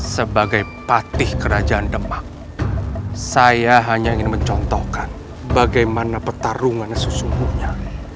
sebagai patih kerajaan demak saya hanya ingin mencontohkan bagaimana pertarungan sesungguhnya